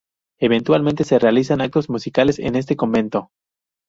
Eventualmente se realizan actos musicales en este convento.